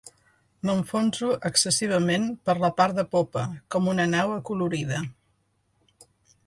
M'enfonso excessivament per la part de popa, com una nau acolorida.